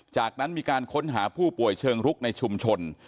จากนั้นมีการค้นหาผู้ป่วยเชิงรุกในชุมชน